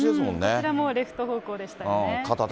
こちらもレフト方向でしたよね。